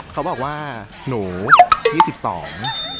เขาบอกว่าหนูยี่สิบสอง